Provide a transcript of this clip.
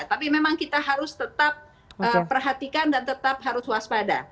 tapi memang kita harus tetap perhatikan dan tetap harus waspada